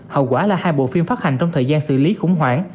hậu quả là hai bộ phim phát hành trong thời gian xử lý khủng hoảng